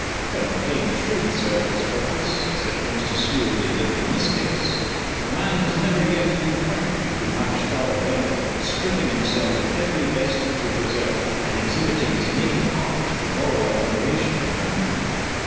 When the plain truth served his purpose, as it most assuredly did in this case, the man has never yet been found who could match Father Benwell at stripping himself of every vestige of reserve, and exhibiting his naked heart to the moral admiration of mankind.